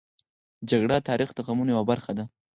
جګړه د تاریخ د غمونو یوه برخه ده